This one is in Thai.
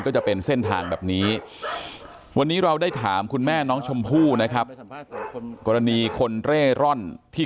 ก็จะเป็นเส้นทางแบบนี้วันนี้เราได้ถามคุณแม่น้องชมพู่นะครับกรณีคนเร่ร่อนที่